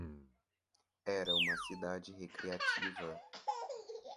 Era uma cidade recreativa.